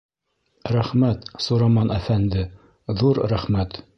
— Рәхмәт, Сураман әфәнде, ҙур рәхмәт.